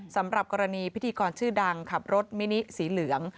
สำหรับกรณีพิธีกรชื่อดังขับรถมินิสีเหลือง